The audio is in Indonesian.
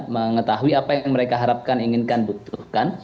mengetahui apa yang mereka harapkan inginkan butuhkan